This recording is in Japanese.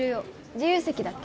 自由席だっけ？